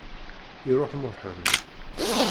Iruḥ Muḥend.